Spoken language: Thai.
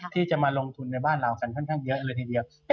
ที่จะมาลงทุนในบ้านเรากันค่อนข้างเยอะเลยทีเดียว